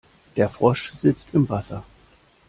Der Frosch sitzt im Wasser.